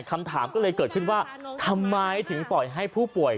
คำถามก็เลยเกิดขึ้นว่าทำไมถึงปล่อยให้ผู้ป่วย